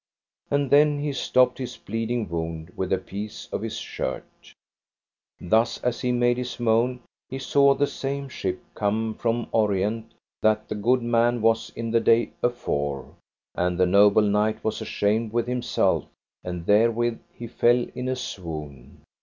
And then he stopped his bleeding wound with a piece of his shirt. Thus as he made his moan he saw the same ship come from Orient that the good man was in the day afore, and the noble knight was ashamed with himself, and therewith he fell in a swoon.